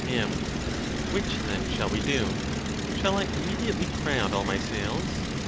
M. Which, then, shall we do? Shall I immediately crowd all my sails?